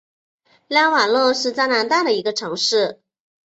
拉瓦勒是加拿大的一个城市。